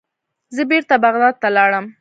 زه بیرته بغداد ته لاړم.